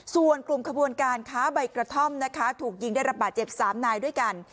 ส่วนกลุ่มขบวนการค้าใบกระท่อมนะคะถูกยิงได้รับบาดเจ็บ๓นายด้วยกัน